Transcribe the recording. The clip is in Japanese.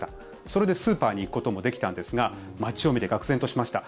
それでスーパーに行くこともできたんですが街を見てがくぜんとしました。